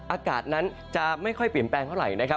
อากาศนั้นจะไม่ค่อยเปลี่ยนแปลงเท่าไหร่